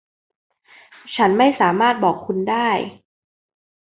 ฉันไม่สามารถบอกคุณได้.